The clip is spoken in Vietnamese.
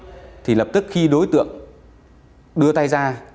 đưa đồ ăn thì lập tức khi đối tượng đưa tay ra